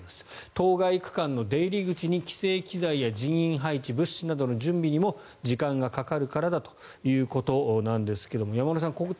当該区間の出入り口に規制機材や人員配置物資などの準備にも時間がかかるからだということなんですが山村さん